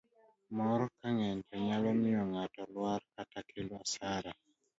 mor kang'eny to nyalo miyo ng'ato lwar kata kelo asara